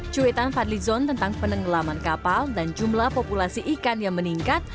cuitan fadlizon tentang penenggelaman kapal dan jumlah populasi ikan yang meningkat